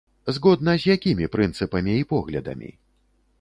Згодна з якімі прынцыпамі і поглядамі?